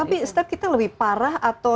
tapi step kita lebih parah atau